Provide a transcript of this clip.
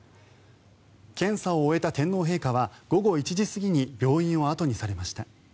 検査を終えた天皇陛下は午後１時過ぎに病院を後にされました。